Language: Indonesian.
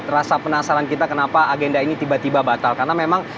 rasa penasaran kita kenapa agenda ini tiba tiba batal karena memang